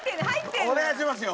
お願いしますよ